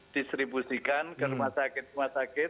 distribusikan ke rumah sakit rumah sakit